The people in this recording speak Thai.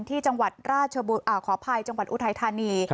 ที่จังหวัดราชขออภัยจังหวัดอุทัยธานี